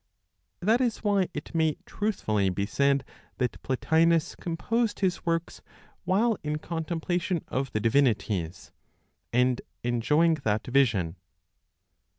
That is why it may truthfully be said that Plotinos composed his works while in contemplation of the divinities, and enjoying that vision.